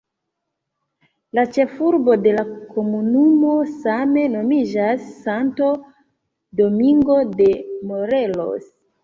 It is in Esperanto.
La ĉefurbo de la komunumo same nomiĝas "Santo Domingo de Morelos".